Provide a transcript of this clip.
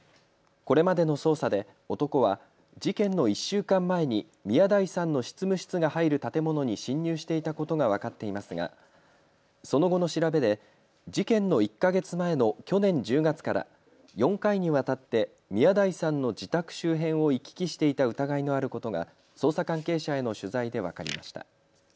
これまでの捜査で男は事件の１週間前に宮台さんの執務室が入る建物に侵入していたことが分かっていますがその後の調べで事件の１か月前の去年１０月から４回にわたって宮台さんの自宅周辺を行き来していた疑いのあることが捜査関係者への取材で分かりました。